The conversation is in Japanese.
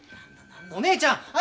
お姉ちゃん昭！